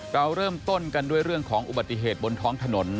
เราเริ่มต้นกันด้วยเรื่องของอุบัติเหตุบนท้องถนน